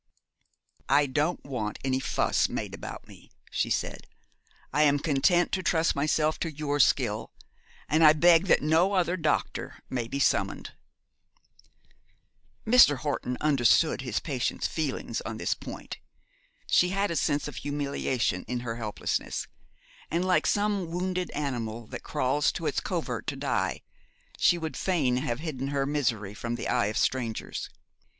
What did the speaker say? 'I don't want any fuss made about me,' she said. 'I am content to trust myself to your skill, and I beg that no other doctor may be summoned.' Mr. Horton understood his patient's feelings on this point. She had a sense of humiliation in her helplessness, and, like some wounded animal that crawls to its covert to die, she would fain have hidden her misery from the eye of strangers.